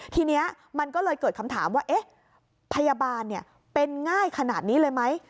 ทีนี้มันก็เลยเกิดคำถามว่าพยาบาลเป็นง่ายขนาดนี้เลยไหม